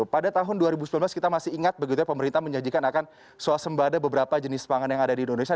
pada tahun dua ribu sembilan belas kita masih ingat begitu ya pemerintah menjanjikan akan suasembada beberapa jenis pangan yang ada di indonesia